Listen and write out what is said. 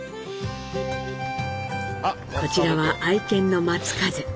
こちらは愛犬の松風。